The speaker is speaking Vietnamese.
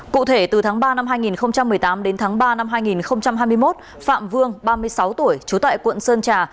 cụ thể từ tháng ba năm hai nghìn một mươi tám đến tháng ba năm hai nghìn hai mươi một phạm vương ba mươi sáu tuổi trú tại quận sơn trà